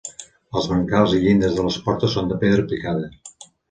Els brancals i llindes de les portes són de pedra picada.